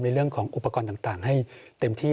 เรื่องของอุปกรณ์ต่างให้เต็มที่